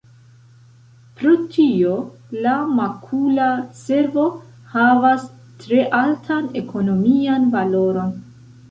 Pro tio, la makula cervo havas tre altan ekonomian valoron.